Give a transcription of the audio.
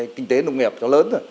kinh tế nông nghiệp lớn